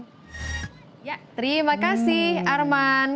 ya terima kasih arman